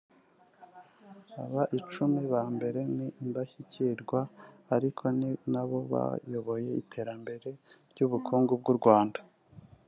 Aba icumi ba mbere ni indashyikirwa ariko ni nabo bayoboye iterambere ry’ubukungu bw’u Rwanda